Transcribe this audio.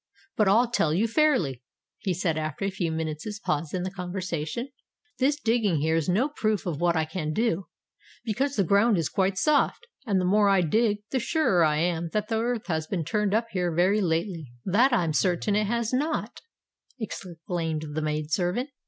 "But I'll tell you fairly," he said, after a few minutes' pause in the conversation, "this digging here is no proof of what I can do; because the ground is quite soft—and the more I dig, the surer I am that the earth has been turned up here very lately." "That I am certain it has not," exclaimed the maid servant.